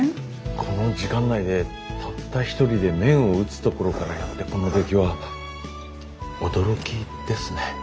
この時間内でたった一人で麺を打つところからやってこの出来は驚きですね。